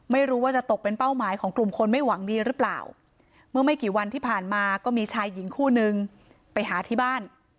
ไม่รู้ว่าจะตกเป็นเป้าหมายของกลุ่มคนไม่หวังดีหรือเปล่าเมื่อไม่กี่วันที่ผ่านมาก็มีชายหญิงคู่นึงไปหาที่บ้าน